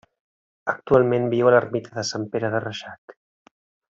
Actualment viu a l'ermita de Sant Pere de Reixac.